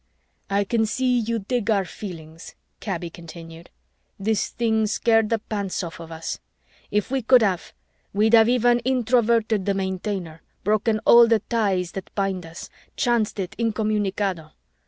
"I can see you dig our feelings," Kaby continued. "This thing scared the pants off of us. If we could have, we'd have even Introverted the Maintainer, broken all the ties that bind us, chanced it incommunicado.